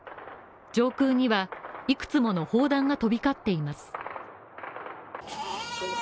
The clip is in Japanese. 上空には、いくつもの砲弾が飛び交っています。